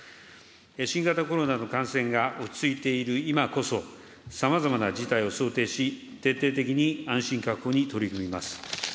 新型コロナの感染が落ち着いている今こそ、さまざまな事態を想定し、徹底的に安心確保に取り組みます。